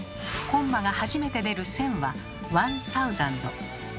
コンマが初めて出る「千」は「ワンサウザンド」。